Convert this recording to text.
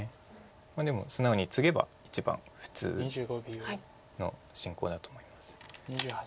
でも素直にツゲば一番普通の進行だと思います。